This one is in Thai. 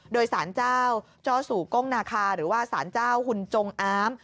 โดยสารเจ้าจ้อสู่ก้งนาคาหรือว่าสารเจ้าหุ่นจงอาม